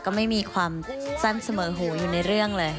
ไม่มีความสั้นเสมอหูอยู่ในเรื่องเลย